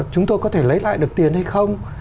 chúng tôi có thể lấy lại được tiền hay không